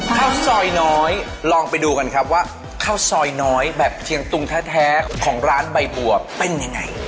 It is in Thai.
ข้าวซอยน้อยลองไปดูกันครับว่าข้าวซอยน้อยแบบเชียงตุงแท้ของร้านใบบัวเป็นยังไง